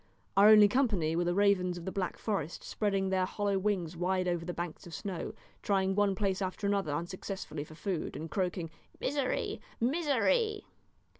Our only company were the ravens of the Black Forest spreading their hollow wings wide over the banks of snow, trying one place after another unsuccessfully for food, and croaking, "Misery! misery!"